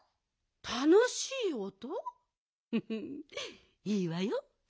フフいいわよ。